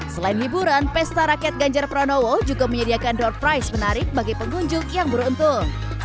selain hiburan pesta rakyat ganjar pranowo juga menyediakan door price menarik bagi pengunjung yang beruntung